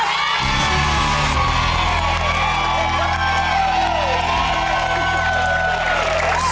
ตรงกับเรา